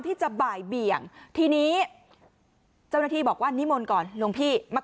ที่จะบ่ายเบี่ยงทีนี้เจ้าหน้าที่บอกว่านิมนต์ก่อนหลวงพี่มา